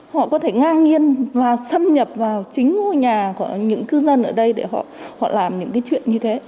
họ có thể ngang nhiên và xâm nhập vào chính ngôi nhà của những cư dân ở đây để họ làm những cái chuyện như thế